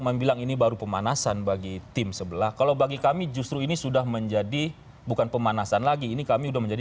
terima kasih terima kasih